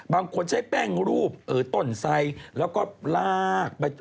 บางคนใช้แป้งรูปต้นไซแล้วก็ลากไป